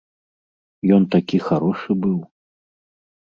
Ён такі харошы быў.